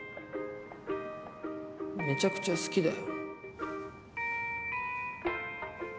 めちゃくちゃ好きだよ